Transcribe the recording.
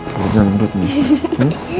perutnya ngedut nih